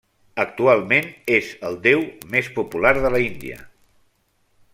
Actualment és el déu més popular de l'Índia.